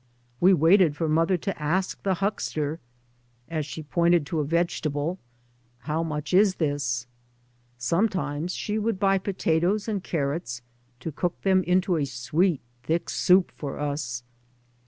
We waited for mother to ask the huckster, as she pointed to a [»3] 3 by Google MY MOTHER AND 1 vegetable, "How much is this?" Some times she would buy potatoes and carrots, to cook them into a sweet, thick soup for us.